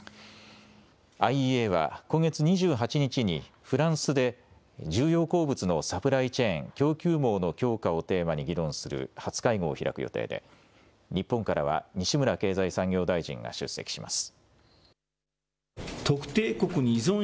ＩＥＡは今月２８日にフランスで重要鉱物のサプライチェーン・供給網の強化をテーマに議論する初会合を開く予定で日本からは西村経済産業大臣が出席します。